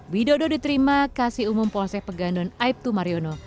widodo diterima kasih umum polsek pegandon aibtu mariono